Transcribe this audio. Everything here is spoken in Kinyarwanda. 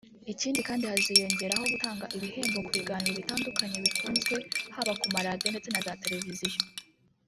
Ikindi kandi haziyongeraho gutanga ibihembo ku biganiro bitandukanye bikunzwe haba ku ma radiyo ndetse na za televiziyo